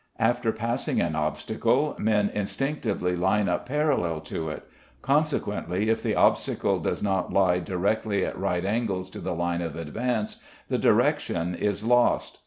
After passing an obstacle men instinctively line up parallel to it; consequently, if the obstacle does not lie exactly at right angles to the line of advance, the direction is lost.